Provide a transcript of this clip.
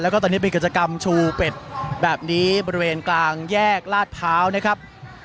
แล้วก็ตอนนี้เป็นกิจกรรมชูเป็ดแบบนี้บริเวณกลางแยกลาดพร้าวนะครับ